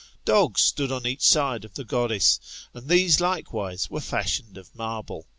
Dogs stood on each side of the goddess, and these likewise were fashioned of marble.